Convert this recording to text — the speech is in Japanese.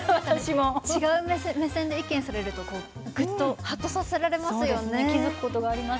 違う目線で意見をされるとはっとさせられますね。